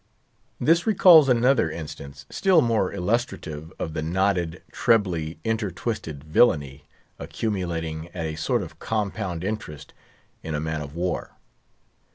This recalls another instance, still more illustrative of the knotted, trebly intertwisted villainy, accumulating at a sort of compound interest in a man of war.